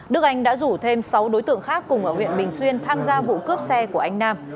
đức anh đã rủ thêm sáu đối tượng khác cùng ở huyện bình xuyên tham gia vụ cướp xe của anh nam